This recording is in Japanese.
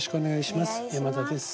山田です。